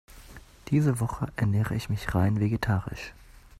Diese Woche ernähre ich mich rein vegetarisch.